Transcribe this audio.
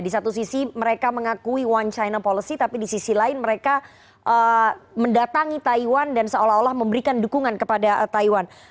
di satu sisi mereka mengakui one china policy tapi di sisi lain mereka mendatangi taiwan dan seolah olah memberikan dukungan kepada taiwan